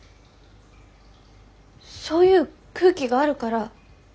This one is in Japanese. そういう空気があるから。